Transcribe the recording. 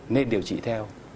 nên điều trị theo